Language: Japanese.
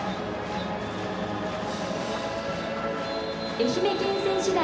愛媛県選手団。